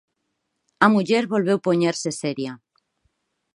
A muller volveu poñerse seria.